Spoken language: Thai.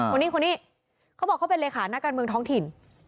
คนนี้คนนี้เขาบอกเขาเป็นเลขานักการเมืองท้องถิ่น